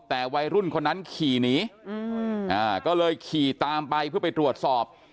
แต่วัยรุ่นคนนั้นขี่หนีก็เลยขี่ตามไปเพื่อไปตรวจสอบ